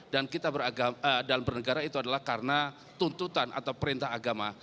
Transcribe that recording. dan kita dalam bernegara itu adalah karena tuntutan atau perintah agama